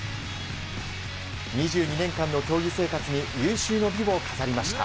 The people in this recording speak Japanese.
２２年間の競技生活に有終の美を飾りました。